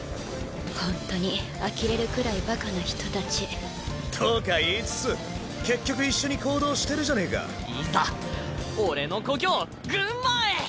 ほんとにあきれるくらいバカな人たちとか言いつつ結局一緒に行動してるじゃねぇかいざ俺の故郷グンマーへ！